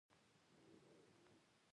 د ترکیې تر زلزلې څو ساعته مخکې.